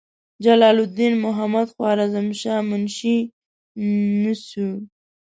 جلال الدین محمدخوارزمشاه منشي نسوي.